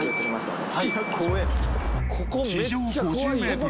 ［地上５０ｍ］